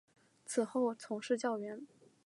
此后从事教员。